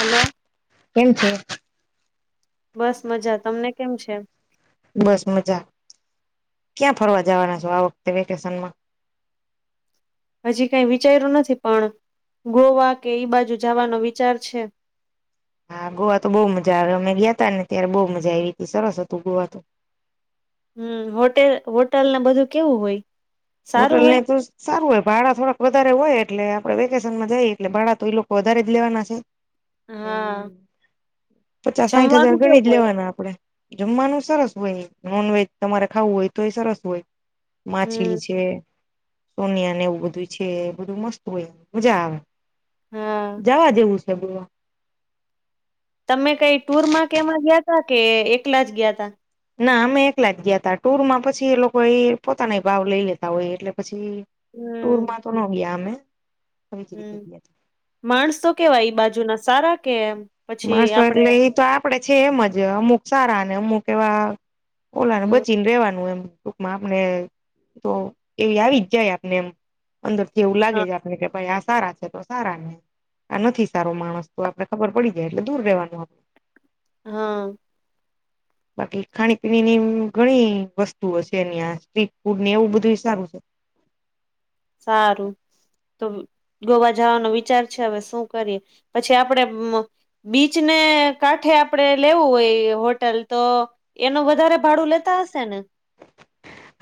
Hello કેમ છે? બસ મજા, તમને કેમ છે? બસ મજા, ક્યાં ફરવા જવાના છો, આ વખતે વેકેશનમાં? હજી કઈ વિચાર્યું નથી પણ, ગોવા કે ઈ બાજુ જવાનો વિચાર છે. હા ગોવા તો બહુ મજા આવે, અમે ગયા તાને ત્યારે બહુ મજા આવી હતી. સરસ હતીું ગોવા તો. હમ્મ, હોટેલ હોટલ ને બધું કેવું હોય? સારું હોટલ ને હોય એ તું સારું હોય, ભાડા થોડાક વધારે હોય, એટલે આપડે વેકેશન માં જઈએ, એટલે ભાડા તો એઈ લોકો વધારે જ લેવાના છે. હા પચાસ, સાઇઠ હજાર જમવાનું કેવું ગણી જ હોય લેવાના આપડે. જમવાનું સરસ હોય, નોનવેજ તમારે ખાવું હોય તો, એ સરસ હોય માછલી હમ છે. સોનિયા ને એવું બધું છે, બધું મસ્ત હોય મજા આવે. હા જવા જેવું છે ગોવા. તમે કઈ ટુર માં કે એમાં ગયા તા? કે એકલા જ ગયા તા? ના અમે એકલા જ ગયા તા, ટુર માં પછી એ લોકો એ પોતાના ભાવ લઈ લેતા હોય, એટલે પછી... ટૂરમાં તો ન ગયા અમે. આવી જ રીતે હમ્મ, ગયા હતા. માણસો કેવા ઈ બાજુના સારા કે એમ? માણસો એટલે એ તો આપડે છે એમ જ, અમુક સારા ને અમુક એવા. ઓલાને હમ બચીને રેવાનું એમ, ટૂકમાં આપને તો એવી આવી જ જાય આપને એમ. અંદર થી એવું હા લાગેજ આપને, કે ભાઈ કે આ સારા છે દોસ્ત. સારા ને આ નથી સારો માણસ તો, આપડે ખબર પડી જાય એટલે દૂર રવાનું આપને. હા... બાકી, ખાણી- પીણીની ઘણી વસ્તુઓ છે, ન્યા સ્ટ્રીટ ફૂડ ને એવું બધું ઇ સારું છે. સારું તો. ગોવા જવાનો વિચાર છે, હવે શું કરીએ પછી આપડે મ બીચને કાંઠે આપડે, લેવું હોય હોટલ તો. એનું વધારે ભાડું લેતા હશે ને?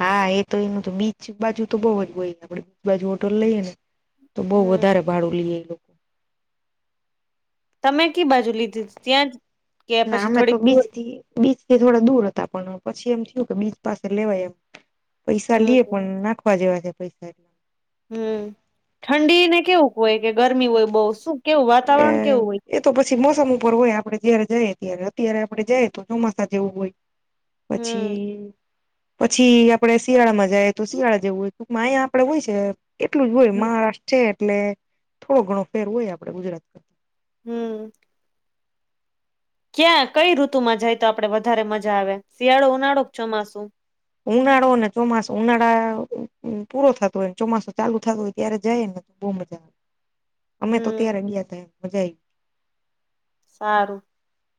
હા એ તો એનું તો બીચ બાજુ તો બઉુજ હોય, આપડે બીચ બાજુ હોટોલ લઈએે નેતો. તો, બહુ હમ વધારે ભાડું લઈએ એ લો તમે કી બાજુ લીધી થી? ત્યાં જ કે પછી થોડીક દૂર. બીચથી થોડા દૂર હતા, પણ પછી એમ થયું કે બીચ પાસે લેવાય એમ. પૈસા લેએ હમ પણ, નાખવા જેવા હે પૈસા. હમ્મ ઠંડીને કેવું હોય, કે ગરમી હોય બોવ શું? કેવું વાતાવરણ કેવું એ હોય તો પ પછી મોસમ ઉપર હોય આપડે જયારે જઈએ, ત્યારે અત્યારે આપણે જઈએ તો ચોમાસા જેવું હોય. હમ પછી પછી આપડે શિયાળામાં જાયે તો શિયાળા જેવું હોય ટૂંકમાં આયા આપડે હોય છે. એટલું જ હોય મહારાષ્ટ્ર છે, એટલે થોડોઘણો ફેર હોય આપડે ગુજરાત. હમ્મ. ક્યાં કઈ ઋતુમાં જાય તો આપડે વધારે મજા આવે શિયાળો, ઉનાળો, ચોમાસુ? ઉનાળો ને ચોમાસો, ઉનાળા પૂરો થતો હોય ચોમાસો ચાલુ થતો હોય ત્યારે જાય ને બહુ મજા અમે તો હમ ત્યારે ગ્યાતા મજા આવી. સારું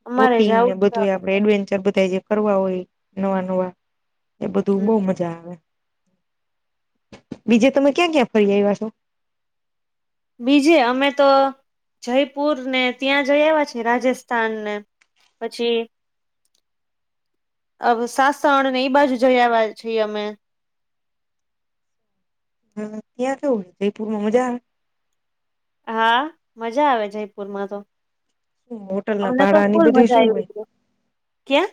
અમારે બોટિંગ જવું ને છે બધુંય હવે આપડે એડવેન્ચર બધા જે કરવા હોય નવા નવા, એ હમ બધું બહુ મજા આવે. બીજે તમે ક્યાં ક્યાં ફરી આવ્યા છો? બીજે અમે તો જયપુરને ત્યાં જઈ આવ્યા છીએ રાજસ્થાનને, પછી, અવ સાસણને એ બાજુ જઈ આયવા છીએ અમે, હમ્મ ત્યાં કેવું, જયપુરમાં મજા આવે? હા મજા આવે, જયપુરમાં તો‌. શું હોટલ ના અમને તો ભાડા ની ફૂલ બધું મજા શું હોય [unintelligible] ક્યાં?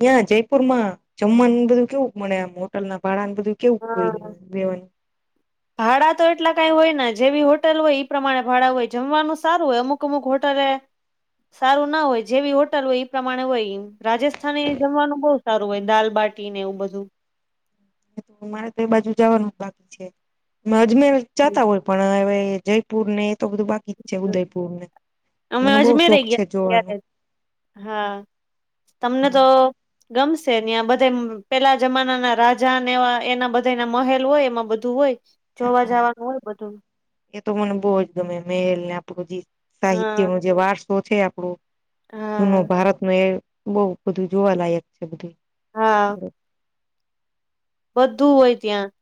ત્યાં જયપુરમાં જમવાનું બધું કેવું મળે આમ હોટલના ભાડાને બધું, કેવું હોઈને રેવાનું, ભાડાતો એટલા કંઈ હોય ના જેવી હોટલ હોય ઈ પ્રમાણે ભાડા હોય જમવાનું સારું હોય અમુક, અમુક હોટલે સારું ના હોય જેવી હોટલ હોય એ પ્રમાણે હોય રાજસ્થાને એ જમવાનું બોવ સારું હોય દાલબાટી ને એવું બધું, મારે તો એ બાજુ જાવાનું બાકી છે, અજમેર જાતા હોય પણ જય પુરને એતો બધું બાકી જ છે, ઉદયપુરને ને. અમે મને બોવ અજમેર શોખ છે, ગયા જોવાનો ત્યારે હા, તમને તો ગમશેને બધે પેલા જમાનાના રાજાને એવા એના બધાના મહેલ હોય એમાં બધું હોય, જોવા જાવાનું હોય બધે એતો મને બોવ જ ગમે મેલને આપણું જે હા સાહિત્યનો જે વારસો છે, આપડો જૂનો હા ભારતમાં એ બહુ બધું જોવાલાયક છે, બધું હા બધું હોય ત્યાં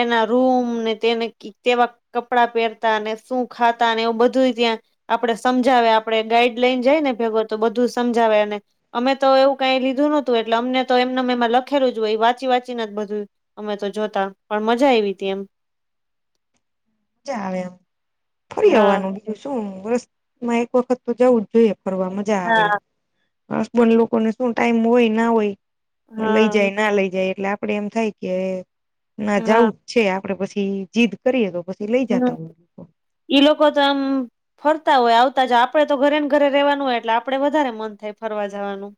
એના રૂમ ને તેને, તેવાં કપડાં પહેરતા ને શું ખાતા એવું બધુંય ત્યાં, આપડે સમજાવે આપડે ગાઈડલાઈન જાયને ભેગું તો બધું સમજાવે અને, અમે તો એવું કાંઈ લીધું નોતું એટલે અમને તો એમનેમ લખેલું જ હોય વાંચી વાંચી ચીન બધું અમે તો જોતા પણ મજા આવી હતી એમ, ચાલે ફરી હા આવવાનું. શું વર્ષમાં એક વખત તો જવું જ જોઈએ ફરવા મજા આવે. હા હસબન્ડ લોકોને શું ટાઈમ હોય ના હોય લઈ હા જાય ના લઈ જાય એટલે, આપડે એમ થાય કે ના હા જાઉં જ છે, આપડે પછી જીદ કરીએ તો પછી લઈ હમ જાતા હોય. ઈ લોકો તો આમ ફરતા હોય આવતા જ આપડે તો ઘરેને ઘરે રહેવાનું હોય એટલે આપણેે વધારે મન થાય ફરવા જવાનું.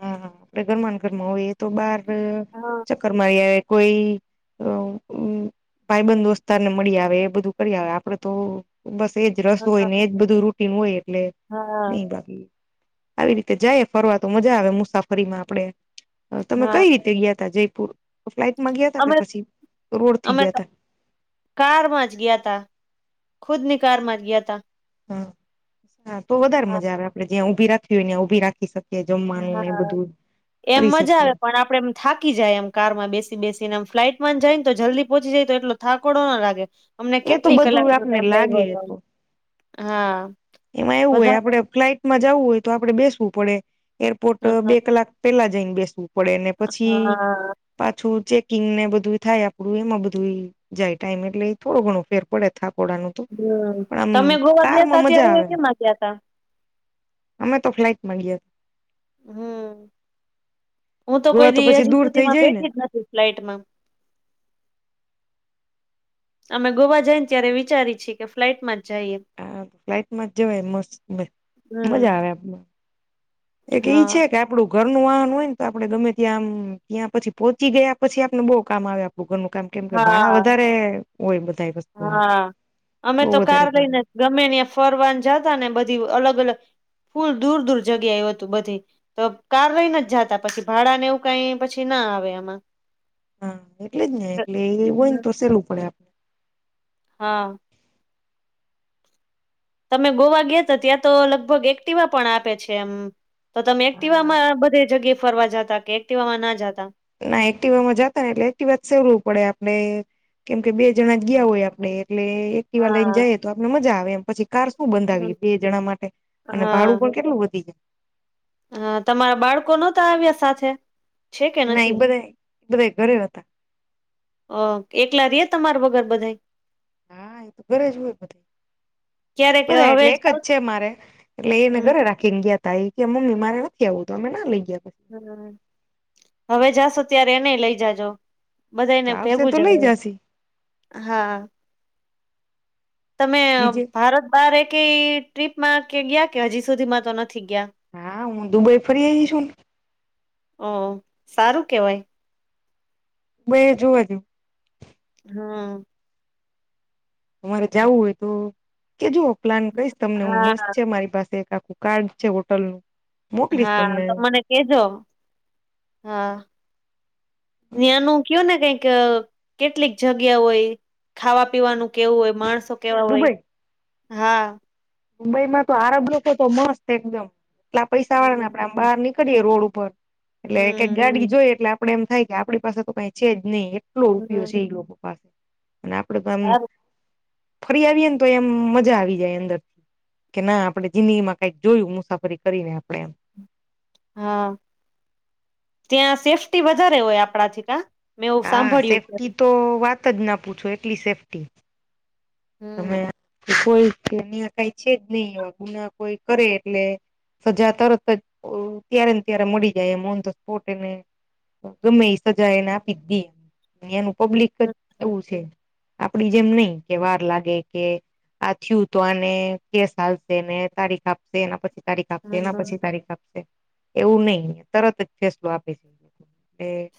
હા આપે ઘરમાંન ઘરમાં હોઈએ એતો બાર હા ચક્કર મારી આવે કોઈ, અ ઉમ ભાઈબંધ દોસ્તારને મળી આવે એ બધું કરી આવે. આપડે તો, બસ એજ રસ હા હોયને એજ બધું રૂટીનું હોય એટલે હા નહીં બાકી, આવી રીતે જાયએ ફરવા તો મજા આવે મુસાફરીમાં આપડે તમે હા કઈ રીતે તે ગ્યાતા જયપુર ફ્લાઈટમાં ગ્યાતા અમે કે પછી રોડ થી ગ્યાતા? કાર માજ ગ્યાતા, ખુદની કાર માજ ગ્યાતા. હા હા તો વધારે હા આવે આપડે જ્યાં રાખીવી હોયને ત્યાં ઉભી રાખી શકીએ. જમવાનું ને એ હા બધું એમ કરી મજા આવે શકીએ પણ આપડે એમ થાકી જાઈય એમ કારમાં બેસી બેસીને એમ ફ્લાઇટમાં જ જાયને તો જલ્દી પહોચી જાય તો એટલો થાકડો ના લાગે. અમને એ તો કેટલી બધું કલાકનો આપને ટાઈમ લાયગો લાગે તો. હા એમાં એવું હોય વધારે આપડે ફ્લાઈટમાં જવું હોય તો આપડે બેસવું પડે, એરપોર્ટ બે હા કલાક. પેલા જઈને બેસવું પડેને પછી હા, પાછું ચેકિંગને બધું થાય આપડું એમાં બધું ઈ જાય ટાઈમ એટલે ઈ થોડો ઘણો ફેર પડે થાકોડાનું. તો પણ આમ હ તમે ગોવા કારમાં ગ્યાતા મજા આવે ત્યારે કેમાં ગ્યાતા. અમે તો ફ્લાઇટમાં ગ્યાત હમ હું તો ગોવા કોઈ દી પછી હજી દૂર થઈ સુધીમાં જાય ને બેઠી જ નથી ફ્લાઈટમાં. અમે ગોવા જઈને ત્યારે વિચારી છીએ કે ફ્લાઇટમાં જ જઈએ. ફ્લાઇટમાં જવાય મસ્ત મ મજા હમ આવે આપને એક એ ઈ હા. છે કે આપડું ઘરનું વાહન હોય ન તો આપડે ગમે ત્યાં આમ ત્યાં પછી પહોંચી ગયા પછી આપણને બહુ કામ આવે આપણું ઘરનું કામ કેમ કે ભાડા હા. વધારે હોય બધાએ વસ હા અમે તો કાર લઈને ભાડું ગમે ન્યા ફરવાન જાતાને બધી અલગ અલગ ફૂલ દૂર દૂર જગ્યા એ હતું બધે. તો કાર લઈને જ જાતા. પછી ભાડાને એવું કઈ પછી ના આવે આમાં. હા એટલે જ ને એટલે એ હોયને તો સેવલું પડે આપ. હા. તમે ગોવા ગ્યા ત ત્યાં તો લગભગ એક્ટિવા પણ આપે છે એમ. તો તમે એક્ટિવામાં બધે જગ્યા ફરવા જતા કે એક્ટિવામાં ના જાતા. ના એક્ટિવામાં જતાને એટલે એક્ટિવા સવલો પડે આપડે. કેમ કે બે જણા જ ગયા હોય આપડે એટલે એક્ટિવા લઈને હા. જઈએ તો આપને મજા આવે એમ પછી કાર શું બંધાવી બે જણા માટે અને ભાડું પણ કેટલું વધી જાય. હ તમારા બાળકો નોતા આવ્યા સાથે? છે કે ના એ નથી બધાય બધાય ઘરે હતા. ઓ એકલા રીયે તમાર વગર બધાય. હા એ તો ઘરે જ હોય બધા. ક્યારેક બધા હવે એટલે એક જ જાવ છે મારે એટલે એને હમ ઘરે રા, ખીન ગ્યાતા એ ક્યે કે મમ્મી મારે નથી આવવું તો અમે ના લઈ ગયા પછી. હમ્ હવે જાશો ત્યારે એનેય લઈ જાજો. તો બધાયને આવશે ભેગું તો લઈ જવાય. જશી હા તમે બીજે ભારત બાર એકેય ટ્રીપમાં કે ગયા કે હજી સુધીમાં તો નથી ગ્યા. હા હું દુબઈ ફરી આયવી છું ન. ઓ સારું કેવાય. [unintelligible] જીવાય ગ્યું. હ.. તમારે જવું હોય તો કે જુઓ પ્લાન કહીશ તમને હું મસ્ત હા છે. મારી પાસે એક આખું હારું છે હોટલ હા, તો મને કેજો હા. ત્યાંનું કયો ને કંઈક કેટલીક જગ્યા હોય. ખાવા પીવાનું કેવું હોય, માણસો ત્યાં કેવા હોય દુબઈ હા. દુબઈમાં તો આરબ લોકો તો મસ્ત એકદમ એટલા આ હમ. પૈસાવાળાના કામ. બહાર નીકળીયે રોડ ઉપર એટલે... એક હમ ગાડી જોઈ એટલે આપડે એમ થાય કે આપણી પાસે તો કઈ છે જ નહી એટલો રૂપિયો હમ છે. એ લોકો પાસે અને આપડે તો આમ સારું ફરી આવીયે ને તો એમ મજા આવી જાય અંદર. કે ના આપણે જિંદગીમાં કઈક જોયું મુસાફરી કરીને આપણે એમ. હા, ત્યાં સેફ્ટી વધારે હોય આપણાથી કા મેં એવું હા, સાંભળ્યું છે સેફ્ટી તો વાત જ ના પૂછો એકટલી સેફ્ટી. તમે હમ કોઈ કઈ છે જ નઈ એવા ગુના કોઈ કરે એટલે સજા તરત જ ત્યારે ને ત્યારે મળી જાય એમ ઓન ધ સ્પોટ એને ગમે એ સજા એ ના પીધી મ એનું પબ્લિક જ હમ એવું છે આપડી જેમ નઈ કે વાર લાગ ગે કે આ થયું તો આને કેશ હાલ તેને તારીખ આપ તે એના પછી તારીખ આપશે એના હમ પછી તારીખ આપશે એવું નઈ તરત જ ફેસલો આપ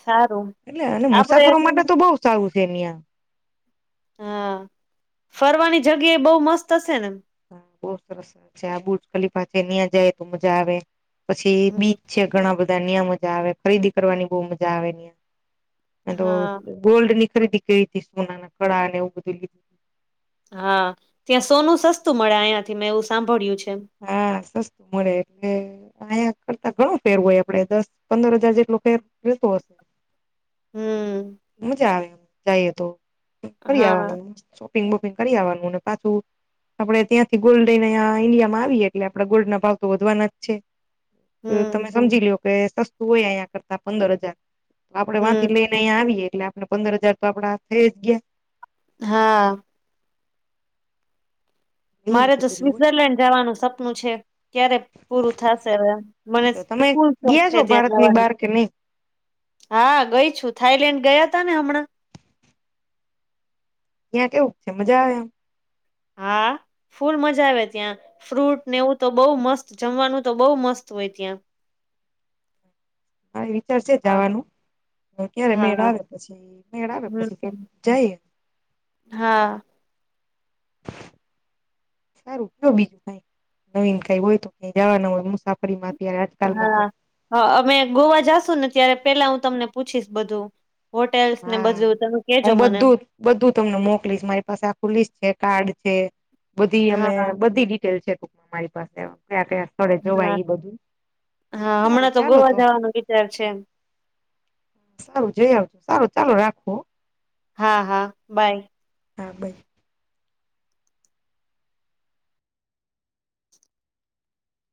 સારું એટલે અને આપડે મુસાફરો માટે તો બઉ સારું છે. નયા હા, ફરવાની જગ્યાએ બઉ મસ્ત હશે ને? હા, બહુ સરસ છે આ બુજ ખલીફા છે ત્યાં જાય તો મજા આવે પછી બીચ છે.. ઘણા બધા નીયા મજા આવે ખરીદી કરવાની બો મજા આવે તો... હા ગોલ્ડની ખરીદી કરી [unintelligible] સોનાના કળા અને ને એવું બધું... હા, ત્યાં સોનું સસ્તું મળે અયાથી મેં એવું સાંભળ્યું છે. હા, સસ્તું મળે એટલે... અંયા કરતા ઘણું ફેરવું હોય આપડે દસ-પંદર હજાર જેટલો ફેર રેતો હશે. હમ મજા આવે જાઈએ તો ફરી હા આવાનું. પીંગ બોપિંગ કરી આવાનું ને પાછું આપડે ત્યાંથી ગોલ્ડ લઈને અયા ઇન્ડિયામાં... માં આવીએ એટલે આપડા ગોલ્ડના ભાવ તો વધવાના જ છે, તો તમે હમ સમજી લ્યો. અવે સસ્તું હોય અંયા કરતા પંદર હજાર આપડે વાથી હમ લઈ ને અઇયા આવીયે એટલે... ને પંદર હજાર તો આપડા થઈ જ ગયા. હા. એ રીતે મારે તો બધું હોય સ્વઝરલેન્ડ જવાનું સપનું છે ક્યારે પૂરું થાશે અવે. મને તો ફૂલ તમે શોખ ગયા છે છો ત્યાં ભારતની જવાનું. બહાર કે નહી હા, ગઈ છું થાઈલેન્ડ ગયા તા ને હમણાં. ત્યાં કેવુંક છે મજા આવે એમ? હા [inaudible] ફૂલ મજા આવે ત્યાં. ફ્રૂટ ને એવું તો બોવ મસ્ત જમવાનું તો બઉ મસ્ત હોય ત્યાં. મારે વિચાર છે, હા જાવાનું. ત ક્યારે મેળ હા આવે પછી મેળ આવે પછી હમ જાયે? હા. [inaudible] સારું તો બિ કઈ નવીન કઈ હોય તો કઈ જવાના હોય મુસાફરીમાં. અત્યારે આજકાલમાં હા, તો હ અમે ગોવા જાશું ને ત્યારે પેલા હું તમને પૂછીશ બધું. હોટેલ્સ ને હા બધું તમે કેજો હું મને બધું બધું તમને મોકલીશ મારી પાસે આખુ લીસ્ટ છે કાર્ડ છે બધી હા અમે બધી ડિટેલ છે મારી પાસે કયા કયા થળે જોવાય હા એ બધું હા હમણાં સારું ચાલો ગોવા તો જવાનો વિચાર છે સારું જઈ આવજો સારું ચાલો રાખું હો હા હા બાય [inaudible]